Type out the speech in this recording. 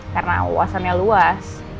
karena uasannya luas